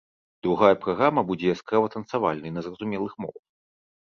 Другая праграма будзе яскрава-танцавальнай на зразумелых мовах.